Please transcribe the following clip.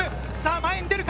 前に出るか？